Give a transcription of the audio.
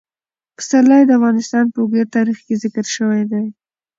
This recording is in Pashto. پسرلی د افغانستان په اوږده تاریخ کې ذکر شوی دی.